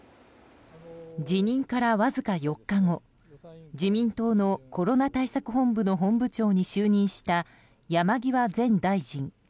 辞任からわずか４日後自民党のコロナ対策本部の本部長に就任した山際前大臣。